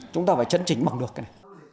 chúng ta phải chấn chỉnh bằng được cái này